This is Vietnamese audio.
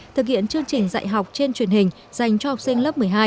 thực hiện chương trình dạy học trên truyền hình dành cho học sinh lớp một mươi hai